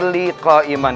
maka rasul menjawab